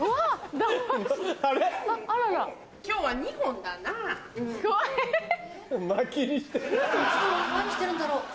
何してるんだろう？